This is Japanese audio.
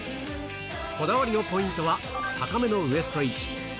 こだわりのポイントは、高めのウエスト位置。